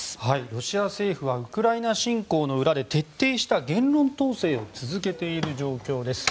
ロシア政府はウクライナ侵攻の裏で徹底した言論統制を続けている状況です。